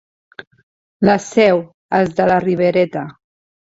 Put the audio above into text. La Seu, els de la Ribereta.